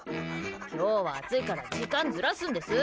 今日は暑いから時間ずらすんです。